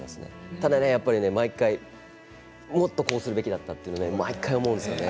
ただね、毎回もっとこうするべきだったと毎回、思うんですよね。